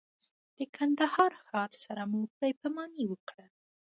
د کندهار ښار سره مو خدای پاماني وکړه.